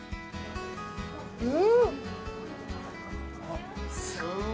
うん！